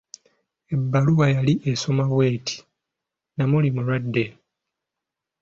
Ebbaluwa yali esoma bw'eti; Namuli mulwadde.